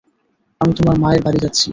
আমি আমার মায়ের বাড়ি যাচ্ছি।